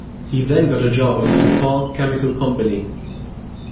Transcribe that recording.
He then got a job with the DuPont chemical company.